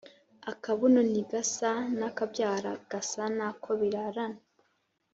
Akabuno ntigasa n’akabyara gasa nako birarana.